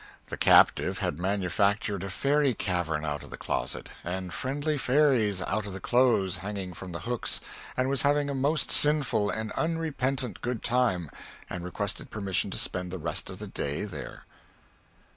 The captive had manufactured a fairy cavern out of the closet, and friendly fairies out of the clothes hanging from the hooks, and was having a most sinful and unrepentant good time, and requested permission to spend the rest of the day there!